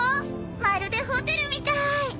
まるでホテルみたい！